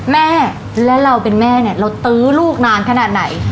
แม่และเราเป็นแม่เนี่ยเราตื้อลูกนานขนาดไหน